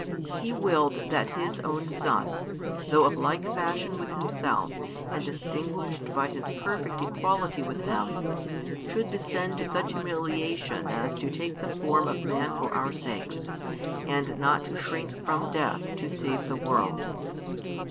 He willed that His own Son, though of like fashion with Himself and distinguished by His perfect equality with Him, should descend to such humiliation as to take the form of man for our sakes, and not shrink from death to save the world.